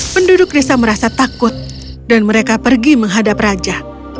penduduk desa merasa takut dan mereka pergi menghadap raja